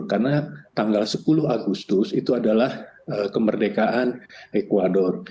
karena tanggal sepuluh agustus itu adalah kemerdekaan ecuador